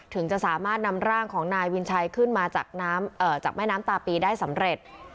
ถึงจะสามารถนำร่างของนายวินชัยขึ้นมาจากน้ำจากแม่น้ำตาปีได้สำเร็จ